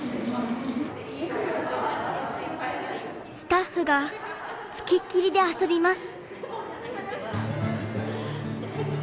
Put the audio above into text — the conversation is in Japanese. スタッフが付きっきりで遊びます。